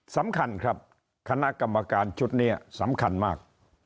สำคัญครับคณะกรรมการชุดนี้สำคัญมาก